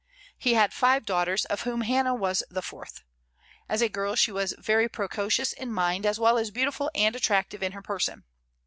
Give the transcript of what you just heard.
He had five daughters, of whom Hannah was the fourth. As a girl, she was very precocious in mind, as well as beautiful and attractive in her person.